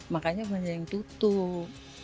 makanya banyak yang tutup